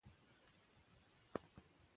پوهه د لوی هدفونو لپاره د علم څانګه ده.